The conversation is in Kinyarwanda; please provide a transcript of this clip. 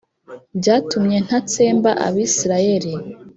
Byatumye ntatsemba abisirayeli